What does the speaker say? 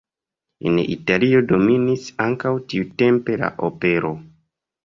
En Italio dominis ankaŭ tiutempe la opero.